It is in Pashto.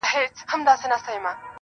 o وه ه ته به كله زما شال سې .